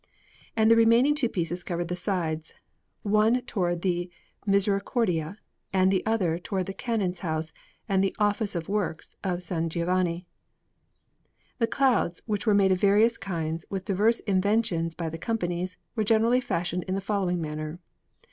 And the remaining two pieces covered the sides one towards the Misericordia, and the other towards the Canon's house and the Office of Works of S. Giovanni. The Clouds, which were made of various kinds and with diverse inventions by the Companies, were generally fashioned in the following manner.